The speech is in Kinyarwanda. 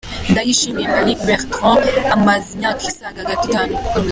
Ndayishimiye Malik Bertrand, amaze imyaka isaga gato itanu akora umuziki .